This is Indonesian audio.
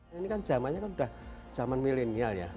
nah ini kan zamannya kan sudah zaman milenial ya